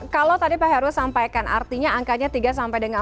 kalau tadi pak heru sampaikan artinya angkanya tiga sampai dua puluh lima